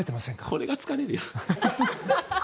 これが疲れるよ。